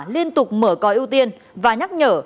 liên tục mở còi ưu tiên và nhắc nhở